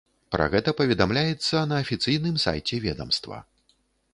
Пра гэта паведамляецца на афіцыйным сайце ведамства.